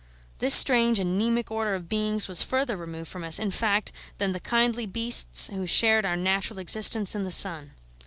This strange anaemic order of beings was further removed from us, in fact, than the kindly beasts who shared our natural existence in the sun.